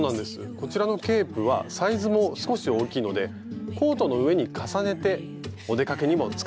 こちらのケープはサイズも少し大きいのでコートの上に重ねてお出かけにも使えますよね。